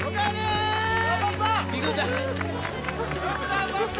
頑張った！